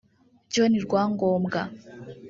John Rwangombwa